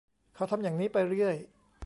เขาทำอย่างนี้ไปเรื่อย